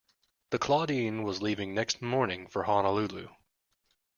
The Claudine was leaving next morning for Honolulu.